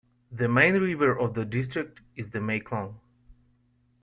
The main river of the district is the Mae Klong.